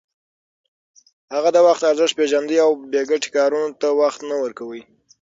هغه د وخت ارزښت پېژانده او بې ګټې کارونو ته وخت نه ورکاوه.